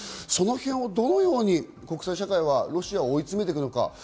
そのへんをどのように国際社会はロシアを追い詰めていくのか。